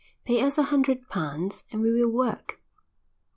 "Pay us a hundred pounds and we will work."